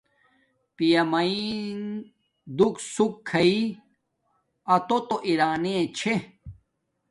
پیا ماین دوک سوک کھایݵ اتوتا ارانے چھے